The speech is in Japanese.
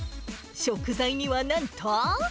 食材にはなんと。